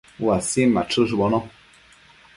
uasin machëshbono